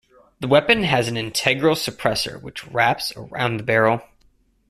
The weapon has an integral suppressor which wraps around the barrel.